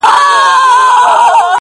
ستا شاعرۍ ته سلامي كومه.